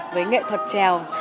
với nghệ thuật trèo